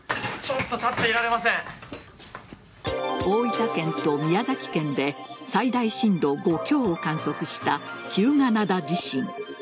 大分県と宮崎県で最大震度５強を観測した日向灘地震。